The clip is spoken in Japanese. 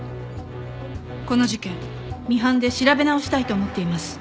この事件ミハンで調べ直したいと思っています。